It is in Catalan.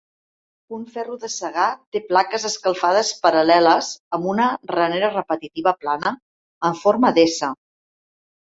Un ferro de segar té plaques escalfades paral·leles amb una ranera repetitiva plana en forma d'S.